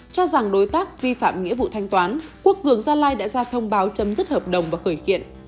cho rằng đối tác vi phạm nghĩa vụ thanh toán quốc cường gia lai đã ra thông báo chấm dứt hợp đồng và khởi kiện